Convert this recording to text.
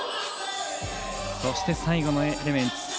そして、最後のエレメンツ